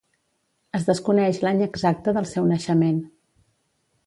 Es desconeix l'any exacte del seu naixement.